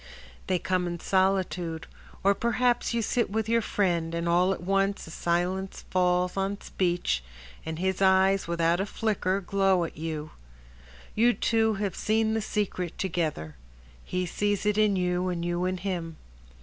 They come in solitude, or perhaps You sit with your friend, and all at once A silence falls on speech, and his eyes Without a flicker glow at you:— You two have seen the secret together, He sees it in you, and you in him.